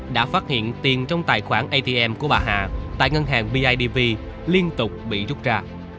đã phát hiện tiền trong tài khoản atm của bà hà tại ngân hàng bidv liên tục bị rút ra